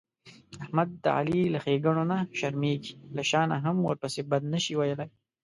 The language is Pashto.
احمد د علي له ښېګڼونه شرمېږي، له شا نه هم ورپسې بد نشي ویلای.